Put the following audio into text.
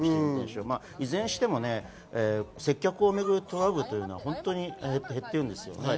いずれにしても接客をめぐるトラブルは減っているんですよね。